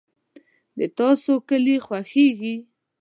د تاسو کلي خوښیږي؟